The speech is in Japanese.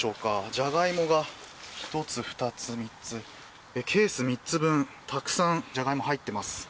ジャガイモが１つ、２つ、３つケース３つ分たくさんジャガイモ入っています。